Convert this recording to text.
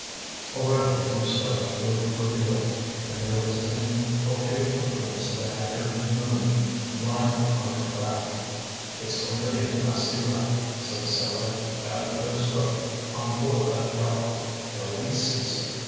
Already a few stars were revealed, and there was an occasional glimpse of a haggard moon lying on her back. "It's going to be a nasty night," said the sailor. "Bad for those folk on board that yacht. They'll be sea sick."